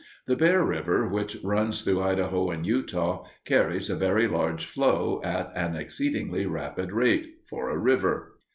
The Bear River, which runs through Idaho and Utah, carries a very large flow at an exceedingly rapid rate for a river.